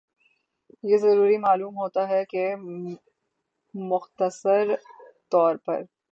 یہ ضروری معلوم ہوتا ہے کہ مختصر طور پر